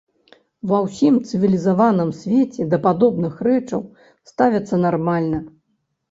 Ва ўсім цывілізаваным свеце да падобных рэчаў ставяцца нармальна.